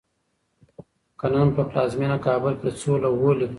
که نن په پلازمېنه کابل کې د څو لوحو لیکدړو